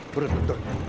turun turun turun